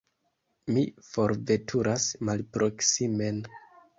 Mi forveturas malproksimen.